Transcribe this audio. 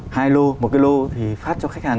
hai lô một cái lô thì phát cho khách hàng